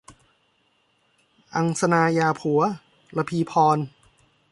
อังสนาหย่าผัว - รพีพร